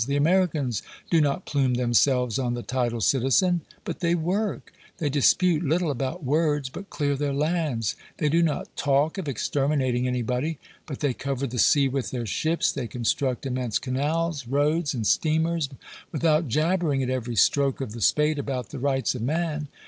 The Americans do not plume themselves on the title citizen, but they work; they dispute little about words, but clear their lands; they do not talk of exterminating anybody, but they cover the sea with their ships, they construct immense canals, roads and steamers without jabbering at every stroke of the spade about the rights of man.